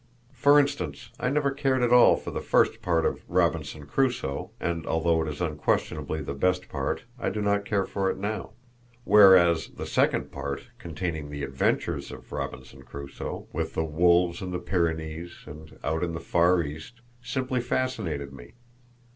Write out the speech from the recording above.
For instance, I never cared at all for the first part of "Robinson Crusoe" (and although it is unquestionably the best part, I do not care for it now); whereas the second part, containing the adventures of Robinson Crusoe, with the wolves in the Pyrenees, and out in the Far East, simply fascinated me.